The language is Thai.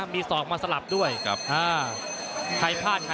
มีซอกมาสลับได้